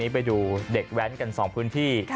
ไปดูเด็กแว้นกัน๒พื้นที่